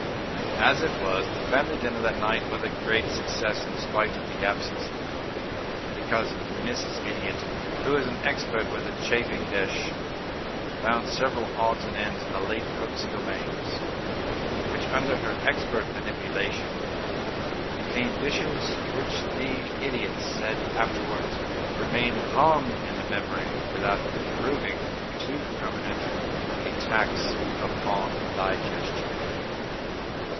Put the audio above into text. As it was, the family dinner that night was a great success in spite of the absence of the cook, because Mrs. Idiot, who is an expert with the chafing dish, found several odds and ends in the late cook's domains, which, under her expert manipulation, became dishes which the Idiot said afterwards "remained long in the memory without proving too permanent a tax upon the digestion."